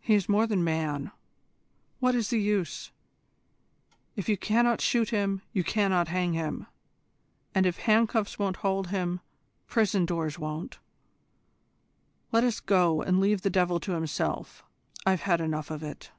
"He is more than man. What is the use? If you cannot shoot him, you cannot hang him, and if handcuffs won't hold him, prison doors won't. Let us go and leave the devil to himself. I've had enough of it."